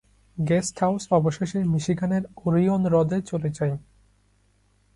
Guest house অবশেষে মিশিগানের Orion হ্রদে চলে যায়।